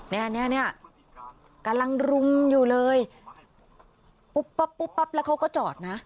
เนี่ยเนี่ยกำลังรุมอยู่เลยปุ๊บปั๊บปุ๊บปั๊บแล้วเขาก็จอดนะ